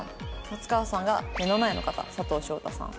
松川さんが目の前の方佐藤翔太さん。